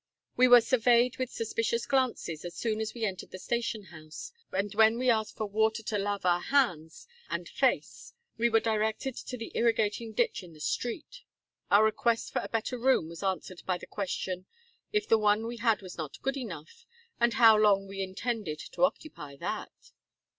We were surveyed with suspicious glances as soon as we entered the station house, and when we asked for water to lave our hands and face, we were directed to the irrigating ditch in the street. Our request for a better room was answered by the question, if the one we had was not good enough, and how long we intended to occupy that.